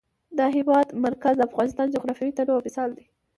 د هېواد مرکز د افغانستان د جغرافیوي تنوع مثال دی.